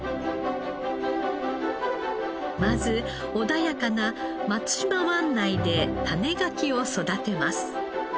まず穏やかな松島湾内で種ガキを育てます。